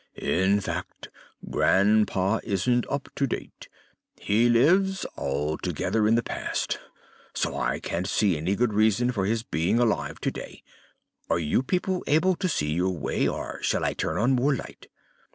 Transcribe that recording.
In fact, Grandpa isn't up to date. He lives altogether in the past, so I can't see any good reason for his being alive to day.... Are you people able to see your way, or shall I turn on more light?"